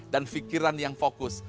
dan fikiran yang fokus